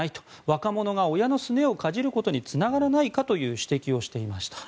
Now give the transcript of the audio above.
若者が親のすねをかじることにつながらないかという指摘をしていました。